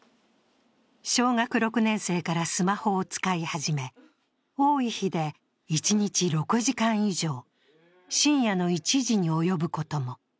小学６年生からスマホを使い始め、多い日で一日６時間以上、深夜の１時に及ぶことも。